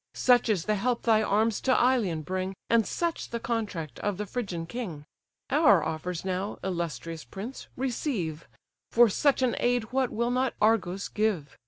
Such is the help thy arms to Ilion bring, And such the contract of the Phrygian king! Our offers now, illustrious prince! receive; For such an aid what will not Argos give?